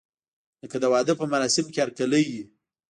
لکه د واده په مراسمو کې هرکلی وي.